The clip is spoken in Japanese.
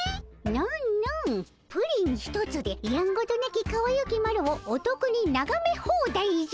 ノンノンプリン一つでやんごとなきかわゆきマロをおとくにながめホーダイじゃ！